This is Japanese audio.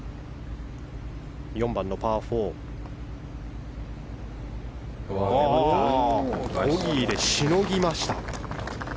４番のパー４ボギーでしのぎました。